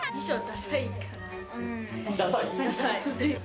ダサい。